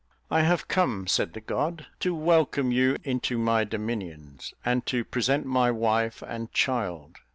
"I have come," said the god, "to welcome you into my dominions, and to present my wife and child."